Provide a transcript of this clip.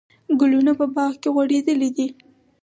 ګلونه په باغ کې غوړېدلي دي.